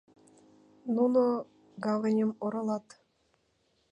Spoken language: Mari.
Нуно гаваньым оролат.